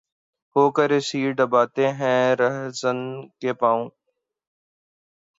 ہو کر اسیر‘ دابتے ہیں‘ راہزن کے پانو